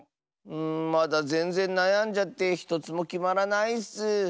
うんまだぜんぜんなやんじゃってひとつもきまらないッス。